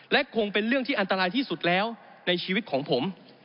และคงเป็นเรื่องที่อันตรายที่สุดแล้วในชีวิตของผม